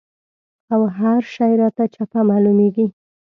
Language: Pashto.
او هر شی راته چپه معلومېږي.